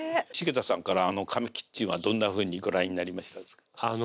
繁田さんからあのかめキッチンはどんなふうにご覧になりましたですか？